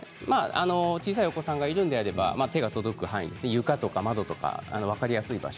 小さいお子さんがいるのであれば手が届く範囲に床とか窓とか分かりやすい場所